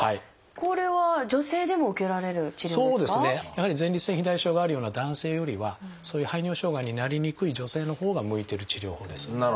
やはり前立腺肥大症があるような男性よりはそういう排尿障害になりにくい女性のほうが向いてる治療法です。